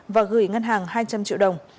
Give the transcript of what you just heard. và gửi ngân hàng hai trăm linh triệu đồng